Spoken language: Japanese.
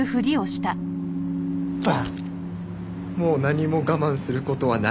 もう何も我慢する事はない。